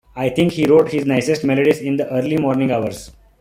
I think he wrote his nicest melodies in the early-morning hours.